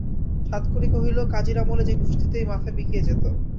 সাতকড়ি কহিল, কাজির আমলে যে ঘুষ দিতেই মাথা বিকিয়ে যেত।